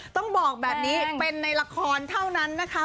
ต้องบอกแบบนี้เป็นในละครเท่านั้นนะคะ